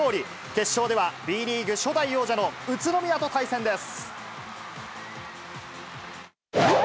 決勝では、Ｂリーグ初代王者の宇都宮と対戦です。